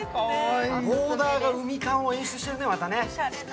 ボーダーが海感を演出してるね。